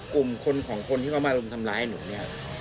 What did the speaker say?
กลุ่มคนของคนที่เขามารุมทำร้ายหนูเนี่ย